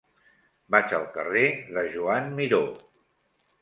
Vaig al carrer de Joan Miró.